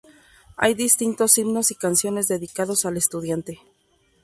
Hay distintos himnos y canciones dedicados al estudiante.